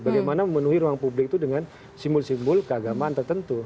bagaimana memenuhi ruang publik itu dengan simbol simbol keagamaan tertentu